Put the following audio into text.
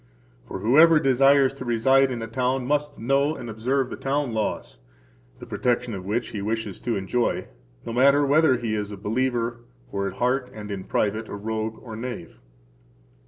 For whoever desires to reside in a town must know and observe the town laws, the protection of which he wishes to enjoy, no matter whether he is a believer or at heart and in private a rogue or knave.